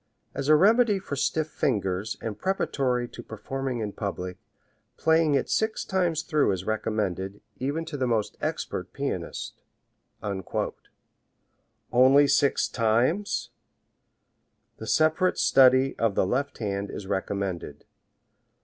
As a remedy for stiff fingers and preparatory to performing in public, playing it six times through is recommended, even to the most expert pianist." Only six times! The separate study of the left hand is recommended.